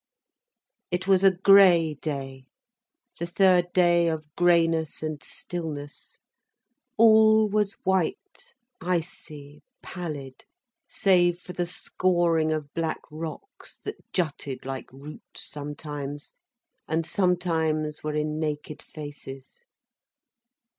It was a grey day, the third day of greyness and stillness. All was white, icy, pallid, save for the scoring of black rocks that jutted like roots sometimes, and sometimes were in naked faces.